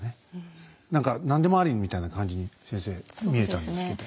何か何でもありみたいな感じに先生見えたんですけど。